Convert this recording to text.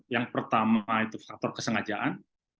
yang pertama itu faktor kesengajaan